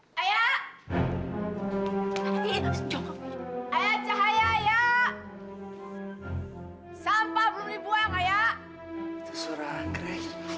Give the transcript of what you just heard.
kamu kok di sini sih raka